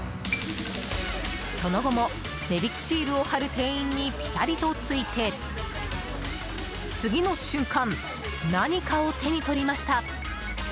その後も値引きシールを貼る店員にピタリとついて次の瞬間何かを手に取りました。